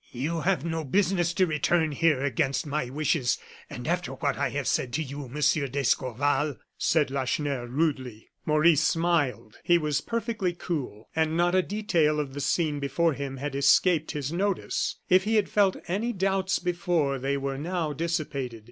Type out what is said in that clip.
"You have no business to return here against my wishes, and after what I have said to you, Monsieur d'Escorval," said Lacheneur, rudely. Maurice smiled, he was perfectly cool, and not a detail of the scene before him had escaped his notice. If he had felt any doubts before, they were now dissipated.